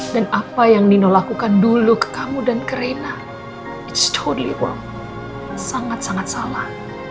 dan apa yang nino lakukan dulu ke kamu dan ke reina itu benar benar salah sangat sangat salah